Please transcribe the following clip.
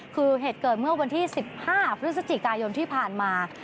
คือเหตุเกิดเมื่อวันที่๑๕พฤศจิกายนที่ผ่านมา